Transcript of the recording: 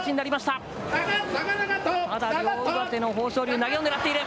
ただ、両上手の豊昇龍、投げを狙っている。